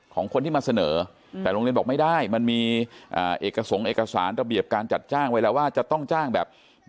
ของคนที่มาเสนอแต่โรงเรียนบอกไม่ได้มันมีเอกสงค์เอกสารระเบียบการจัดจ้างไว้แล้วว่าจะต้องจ้างแบบ